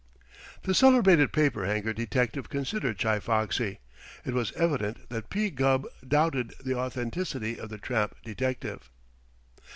The celebrated paper hanger detective considered Chi Foxy. It was evident that P. Gubb doubted the authenticity of the tramp detective.